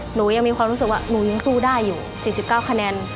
หนูยังมีความรู้สึกว่าหนูยังสู้ได้อยู่๔๙คะแนน